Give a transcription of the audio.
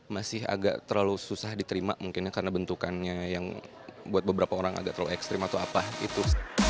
masih agak terlalu susah diterima mungkinnya karena bentukannya yang buat beberapa orang agak terlalu ekstrim atau apa gitu